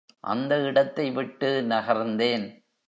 அந்த இடத்தை விட்டு நகர்ந்தேன்.